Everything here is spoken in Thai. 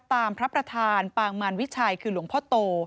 พระประธานปางมารวิชัยคือหลวงพ่อโต